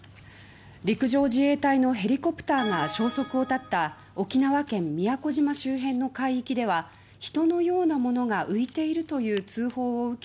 陸上自衛隊のヘリコプターが消息を絶った沖縄県宮古島周辺の海域では人のようなものが浮いているという通報を受け